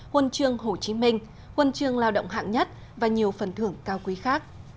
huân chương hồ chí minh huân chương lao động hạng nhất và nhiều phần thưởng cao quý khác